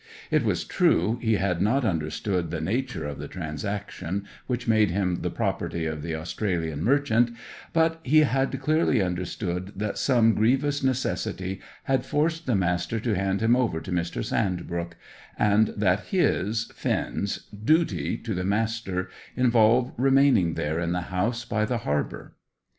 It was true he had not understood the nature of the transaction which made him the property of the Australian merchant; but he had clearly understood that some grievous necessity had forced the Master to hand him over to Mr. Sandbrook, and that his, Finn's, duty to the Master involved remaining there in the house by the harbour.